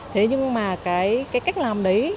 thế nhưng mà cái cách làm đấy